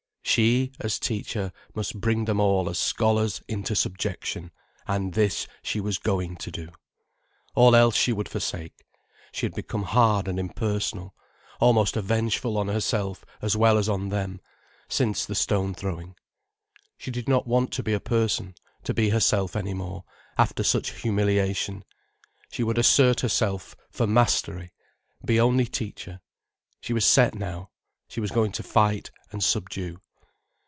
She, as teacher, must bring them all as scholars, into subjection. And this she was going to do. All else she would forsake. She had become hard and impersonal, almost avengeful on herself as well as on them, since the stone throwing. She did not want to be a person, to be herself any more, after such humiliation. She would assert herself for mastery, be only teacher. She was set now. She was going to fight and subdue.